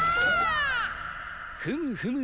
ふむふむ。